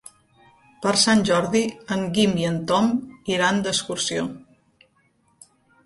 Per Sant Jordi en Guim i en Tom iran d'excursió.